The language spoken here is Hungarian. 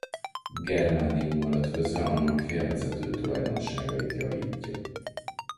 Germániummal ötvözve annak félvezető tulajdonságait javítja.